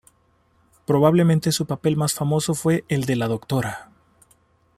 Probablemente su papel más famoso fue el de la Dra.